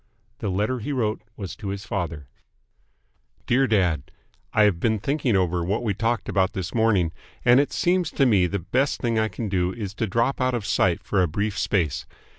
The letter he wrote was to his father: Dear Dad: I have been thinking over what we talked about this morning, and it seems to me the best thing I can do is to drop out of sight for a brief space.